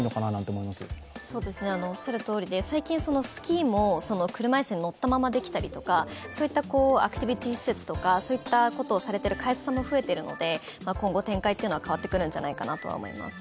おっしゃるとおりで最近、スキーも車椅子に乗ったままできたりとかアクティビティ施設とかそういったことをされている会社さんも増えているので今後、展開というのは変わってくるんじゃないかと思います。